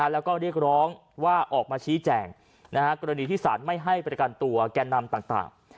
แล้วก็เรียกร้องว่าออกมาชี้แจงกรณีที่สารไม่ให้ประกันตัวแก่นำต่าง